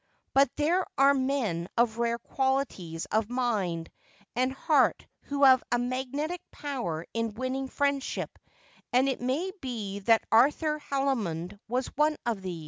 But there are men of rare qualities of mind and heart who have a magnetic power in winning friendship ; and it may be that Arthur Haldimond was one of these.